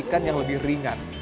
ikan yang lebih ringan